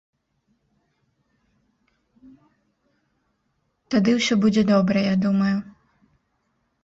Тады ўсё будзе добра, я думаю.